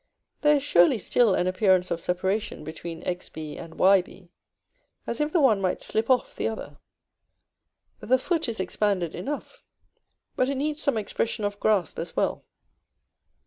There is surely still an appearance of separation between Xb and Yb, as if the one might slip off the other. The foot is expanded enough; but it needs some expression of grasp as well.